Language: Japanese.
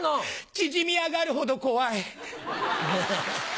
チヂミ上がるほど怖い。